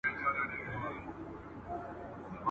او د غم له ورځي تښتي که خپلوان که اشنایان دي ,